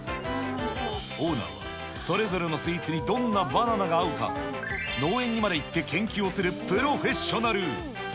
オーナーは、それぞれのスイーツにどんなバナナが合うか、農園にまで行って研究をするプロフェッショナル。